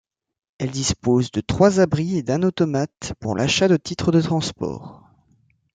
Elle dispose de trois abris et d'un automate pour l'achat de titres de transport.